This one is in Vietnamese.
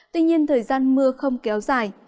tuy nhiên thời gian mưa không kéo dài